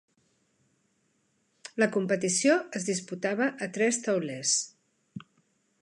La competició es disputava a tres taulers.